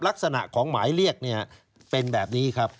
ลักษณะของหมายเรียกเนี่ยเป็นแบบนี้ครับ